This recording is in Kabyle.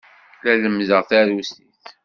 La lemmdeɣ tarusit.